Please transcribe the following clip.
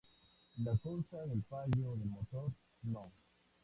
La causa del fallo del motor No.